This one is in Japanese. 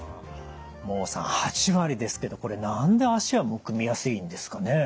孟さん８割ですけどこれ何で脚はむくみやすいんですかね？